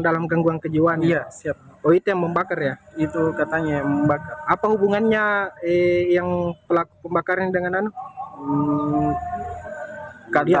dia anak atau anaknya